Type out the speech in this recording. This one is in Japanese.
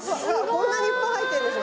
こんなにいっぱい入ってるんです。